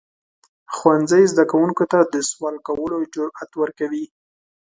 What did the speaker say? ښوونځی زده کوونکو ته د سوال کولو جرئت ورکوي.